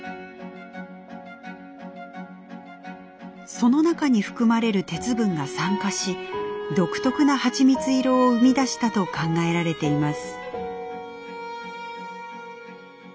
その中に含まれる鉄分が酸化し独特な蜂蜜色を生み出したと考えられています。